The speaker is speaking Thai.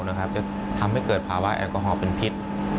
จะทำให้เกิดภาวะแอลกอฮอลเป็นพิษ